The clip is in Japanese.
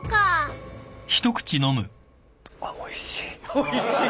おいしい。